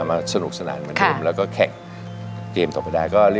มาสนุกสนานเมื่อเดิมแล้วก็แก่เล่นเกมศ์โดยก็ได้